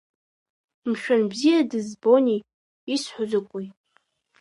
Мшәан бзиа дызбонеи, исҳәо закәи?!